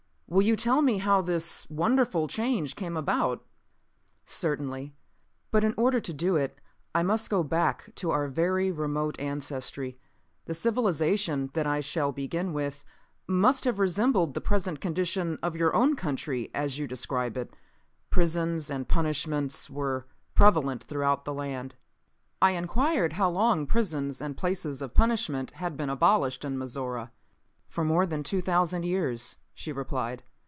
"Will you tell me how this wonderful change came about?" "Certainly. But in order to do it, I must go back to our very remote ancestry. The civilization that I shall begin with must have resembled the present condition of your own country as you describe it. Prisons and punishments were prevalent throughout the land." I inquired how long prisons and places of punishment had been abolished in Mizora. "For more than two thousand years," she replied.